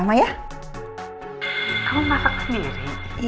kamu masak sendiri